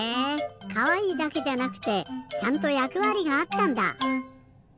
かわいいだけじゃなくてちゃんとやくわりがあったんだ！